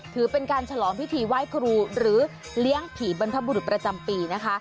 ถือเป็นการฉลองพิธีไหว้ครูหรือเลี้ยงผีบรรพบุรุษประจำปีนะคะ